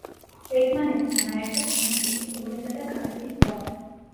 ერთმანეთთან აერთებს მექსიკის ყურესა და კარიბის ზღვას.